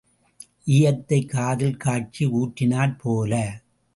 ஈயத்தைக் காதில் காய்ச்சி ஊற்றினாற் போல.